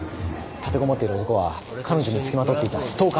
立てこもってる男は彼女に付きまとっていたストーカーです。